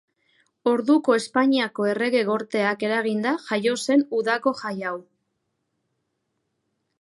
Orduko Espainiako Errege Gorteak eraginda jaio zen udako jai hau.